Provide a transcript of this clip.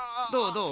どう？